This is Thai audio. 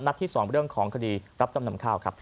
ที่๒เรื่องของคดีรับจำนำข้าวครับ